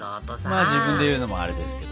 まあ自分で言うのもアレですけど。